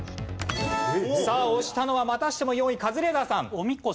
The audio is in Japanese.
さあ押したのはまたしても４位カズレーザーさん。